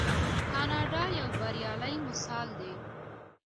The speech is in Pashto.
کاناډا یو بریالی مثال دی.